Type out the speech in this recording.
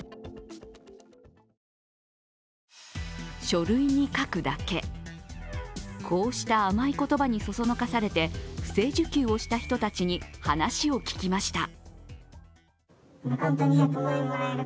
書類に書くだけ、こうした甘い言葉にそそのかされて不正受給をした人たちに話を聞きました。